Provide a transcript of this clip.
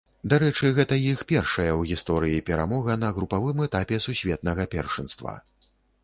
Дарэчы, гэта іх першая ў гісторыі перамога на групавым этапе сусветнага першынства.